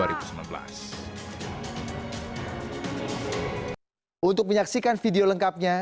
menyaksikan video lengkapnya klik link di bawah video ini dan juga untuk menonton video selanjutnya